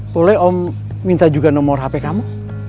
boleh om minta juga nomor hp kamu